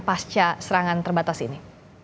pasca serangan terbatas ini